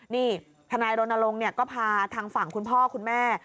นี่ทนายรณรงค์ก็พาทางฝั่งคุณพ่อคุณแม่